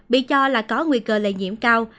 bị cho là có nguy cơ lây nhiễm cao